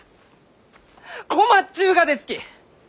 困っちゅうがですき！